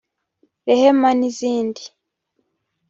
’Rehema’ n’izindi